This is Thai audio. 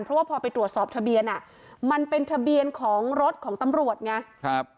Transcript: เพราะว่าพอไปตรวจสอบทะเบียนอ่ะมันเป็นทะเบียนของรถของตำรวจไงครับ